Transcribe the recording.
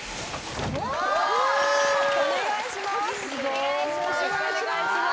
お願いします。